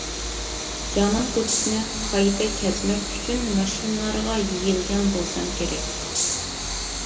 جانان كوچىسىنى قايتا كەزمەك ئۈچۈن ماشىنىلارغا يېيىلگەن بولسام كېرەك.